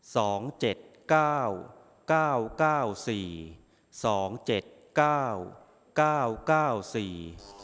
สองเจ็ดเก้าเก้าเก้าสี่สองเจ็ดเก้าเก้าเก้าสี่